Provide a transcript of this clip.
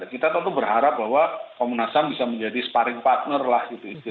kita tentu berharap bahwa komunasam bisa menjadi sparring partner lah